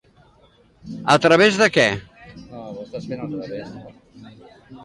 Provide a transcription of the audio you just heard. A través de què?